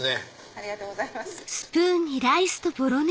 ありがとうございます。